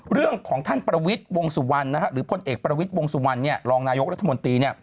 เรื่องของท่านประวิทย์วงส์สุวรรค์รองนายกรัฐมนตร์นี้